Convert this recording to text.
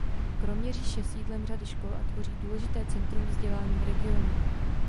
Kroměříž je sídlem řady škol a tvoří důležité centrum vzdělání v regionu.